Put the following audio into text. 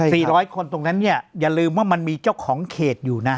ร้อยคนตรงนั้นเนี่ยอย่าลืมว่ามันมีเจ้าของเขตอยู่นะ